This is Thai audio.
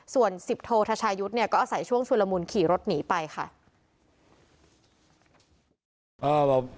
ส่วน๑๐โททชายุทธ์เนี่ยก็อาศัยช่วงชุลมุนขี่รถหนีไปค่ะ